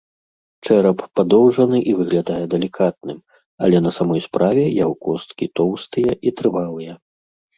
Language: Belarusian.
Чэрап падоўжаны і выглядае далікатным, але на самой справе яго косткі тоўстыя і трывалыя.